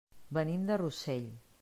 Venim de Rossell.